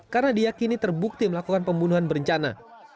karena diakini terbukti melakukan pembunuhan berencana